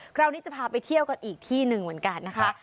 คราวนี้จะพาไปเที่ยวกันอีกที่หนึ่งเหมือนกันนะคะ